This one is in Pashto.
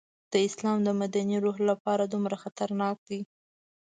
د اسلام د مدني روح لپاره دومره خطرناک دی.